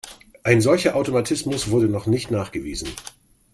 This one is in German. Ein solcher Automatismus wurde noch nicht nachgewiesen.